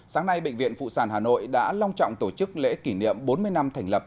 sáng nay bệnh viện phụ sản hà nội đã long trọng tổ chức lễ kỷ niệm bốn mươi năm thành lập